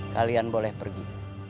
kalian boleh pergi